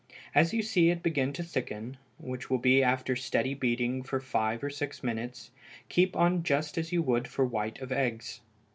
As you see it begin to thicken, which will be after steady beating for five or six minutes, keep on just as you would for white of eggs.